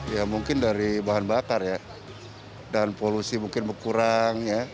ya mungkin dari bahan bakar ya dan polusi mungkin berkurang ya